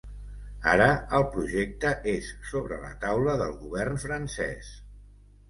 Ara el projecte és sobre la taula del govern francès.